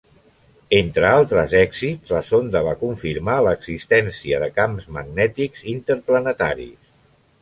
Entre altres èxits, la sonda va confirmar l'existència de camps magnètics interplanetaris.